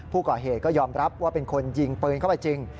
ผู้ก่อเหตุก็ยอมรับว่าเป็นคนยิงปืนเข้าไปจริง